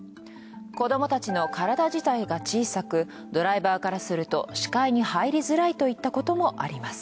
子供たちの体自体が小さくドライバーからすると視界に入りづらいといったこともあります。